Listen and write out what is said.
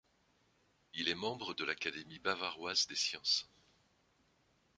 Il est membre de l'Académie bavaroise des sciences.